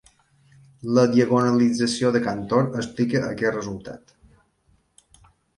La diagonalització de Cantor explica aquest resultat.